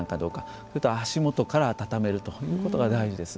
それと、足元から暖めるということが大事です。